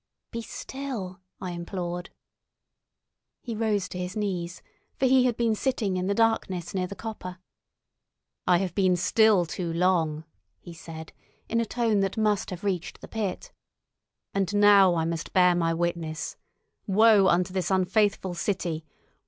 "Be still!" I implored. He rose to his knees, for he had been sitting in the darkness near the copper. "I have been still too long," he said, in a tone that must have reached the pit, "and now I must bear my witness. Woe unto this unfaithful city!